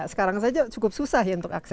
sekarang saja cukup susah ya untuk akses